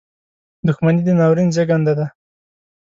• دښمني د ناورین زېږنده ده.